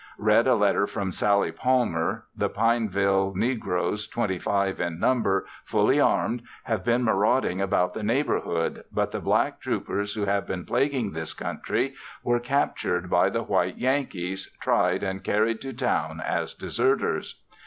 Read a letter from Sallie Palmer; the Pineville negroes, twenty five in number, fully armed, have been marauding about the neighborhood, but the black troopers who have been plaguing this country were captured by the white Yankees, tried and carried to town as deserters.